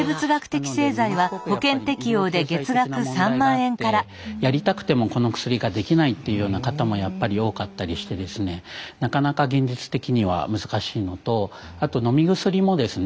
なのでものすごくやっぱり医療経済的な問題があってやりたくてもこの薬ができないというような方もやっぱり多かったりしてですねなかなか現実的には難しいのとあと飲み薬もですね